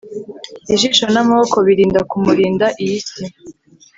Ijisho namaboko birinda kumurinda iyi si